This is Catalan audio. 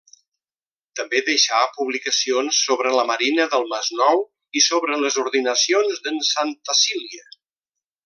També deixà publicacions sobre la marina del Masnou i sobre les Ordinacions d’En Santacília.